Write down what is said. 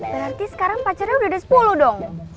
berarti sekarang pacarnya udah ada sepuluh dong